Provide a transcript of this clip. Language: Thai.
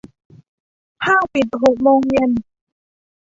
ห้างปิดหกโมงเย็น